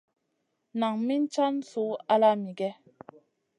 Nan min caŋu ala migè?